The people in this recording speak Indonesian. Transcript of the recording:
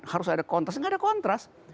harus ada kontras nggak ada kontras